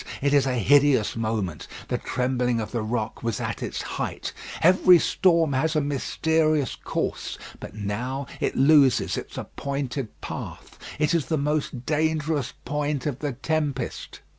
It is a hideous moment. The trembling of the rock was at its height. Every storm has a mysterious course, but now it loses its appointed path. It is the most dangerous point of the tempest.